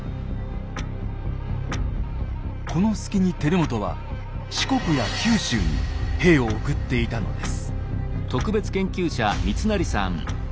この隙に輝元は四国や九州に兵を送っていたのです。